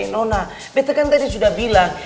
nona pt kan tadi sudah bilang